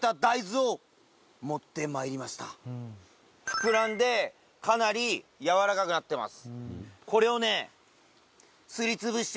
膨らんでかなりやわらかくなってます。